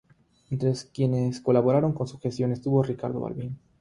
Entre quienes colaboraron con su gestión estuvo Ricardo Balbín.